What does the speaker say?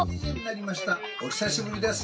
お久しぶりです。